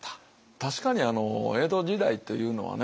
確かに江戸時代というのはね